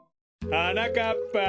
はなかっぱ！